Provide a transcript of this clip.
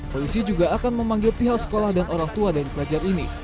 polisi juga akan memanggil pihak sekolah dan orang tua dan pelajar ini